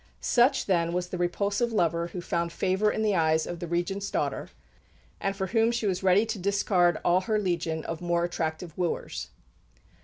'" Such, then, was the repulsive lover who found favour in the eyes of the Regent's daughter, and for whom she was ready to discard all her legion of more attractive wooers.